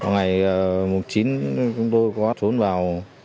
ngày chín chúng tôi có trốn vào